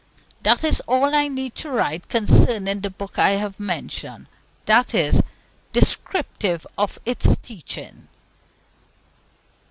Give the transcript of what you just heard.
That is all I need write concerning the book I have mentioned, i.e. descriptive of its teaching.